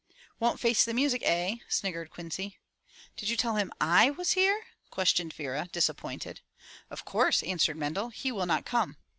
"Won't face the music, eh?" sniggered Quincy. "Did you tell him / was here?" questioned Vera, disappointed. "Of course!" answered Mendel. "He will not come.